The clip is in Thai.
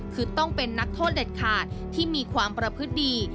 คือต้องเป็นนักโทษเด็ดขาดที่มีความประพฤติดี